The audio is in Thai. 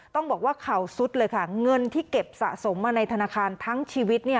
ต้องบอกว่าเข่าซุดเลยค่ะเงินที่เก็บสะสมมาในธนาคารทั้งชีวิต